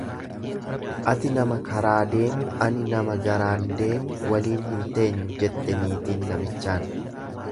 Ati nama karaa deemu ani nama garaan deemu waliin hin teenyu jette niitiin namichaan.